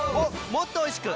もっとおいしく！